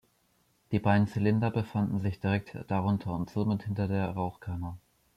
Die beiden Zylinder befanden sich direkt darunter und somit hinter der Rauchkammer.